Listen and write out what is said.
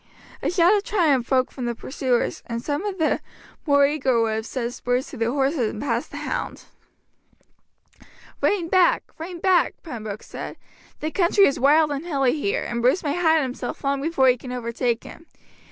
A shout of triumph broke from the pursuers, and some of the more eager would have set spurs to their horses and passed the hound. "Rein back, rein back," Pembroke said, "the country is wild and hilly here, and Bruce may hide himself long before you can overtake him.